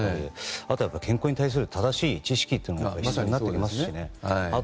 あとは健康に対する正しい知識というのが必要になってきますしね。